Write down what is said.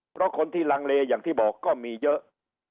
เพราะคนที่ลังเลอย่างที่บอกก็มีเยอะ